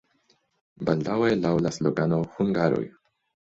Baldaŭe laŭ la slogano "Hungaroj!